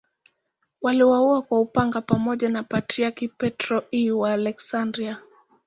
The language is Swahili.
Waliuawa kwa upanga pamoja na Patriarki Petro I wa Aleksandria.